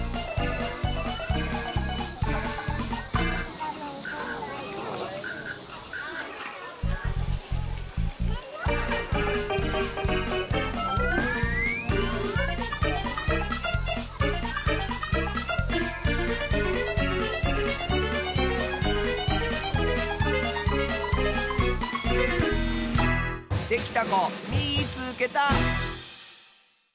できたこみいつけた！